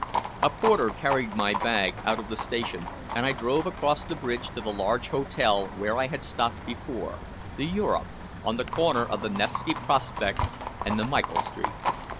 A porter carried my bag out of the station, and I drove across the bridge to the large hotel where I had stopped before, the Europe, on the corner of the Nevski Prospect and the Michael Street.